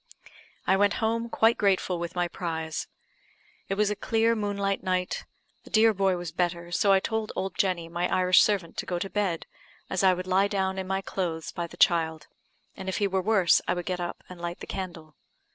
I went home quite grateful with my prize. It was a clear moonlight night the dear boy was better, so I told old Jenny, my Irish servant, to go to bed, as I would lie down in my clothes by the child, and if he were worse I would get up and light the candle.